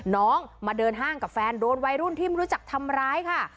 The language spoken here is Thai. น้องมาเดินห้างกับแฟนโดนวัยรุ่นที่ไม่รู้จักทำร้ายค่ะ